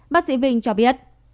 bác sĩ vinh cho biết